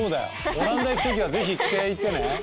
オランダ行くときはぜひ着て行ってね。